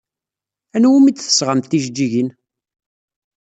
Anwa umi d-tesɣamt tijeǧǧigin?